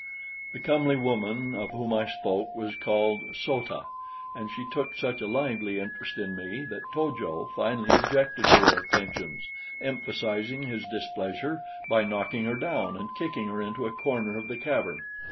The comely woman of whom I spoke was called So ta, and she took such a lively interest in me that To jo finally objected to her attentions, emphasizing his displeasure by knocking her down and kicking her into a corner of the cavern.